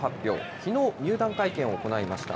きのう、入団会見を行いました。